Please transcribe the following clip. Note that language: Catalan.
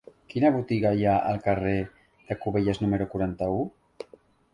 Quina botiga hi ha al carrer de Cubelles número quaranta-u?